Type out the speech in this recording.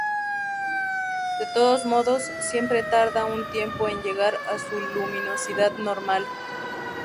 De todos modos, siempre tarda un tiempo en llegar a su luminosidad normal.